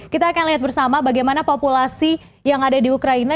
kita akan lihat bersama bagaimana populasi yang ada di ukraina